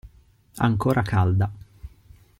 Ancora calda.